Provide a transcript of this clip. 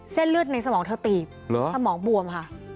เส้นเลือดในสมองเธอตีบสมองบวมค่ะ